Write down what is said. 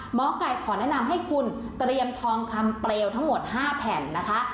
หมอไก่ขอแนะนำให้คุณเตรียมทองคำเปลวทั้งหมด๕แผ่นนะคะ